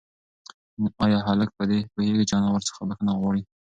ایا هلک په دې پوهېږي چې انا ورڅخه بښنه غواړي؟